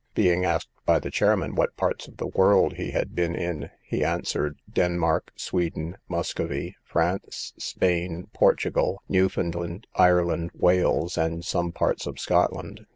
Being asked by the chairman what parts of the world he had been in? he answered Denmark, Sweden, Muscovy, France, Spain, Portugal, Newfoundland, Ireland, Wales, and some parts of Scotland.